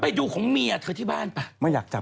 ไปดูของเมียเธอที่บ้านป่ะ